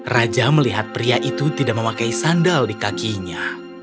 raja melihat pria itu tidak memakai sandal di kakinya